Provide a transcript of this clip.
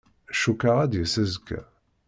Cukkeɣ ad d-yas azekka.